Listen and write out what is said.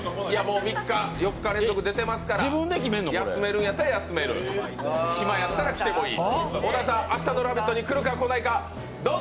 ３日連続出てますから休めるんやったら休める、暇やったら来てもいい。